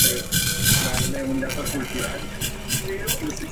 Esto garantiza que la vida de los individuos conscientes sea trágica.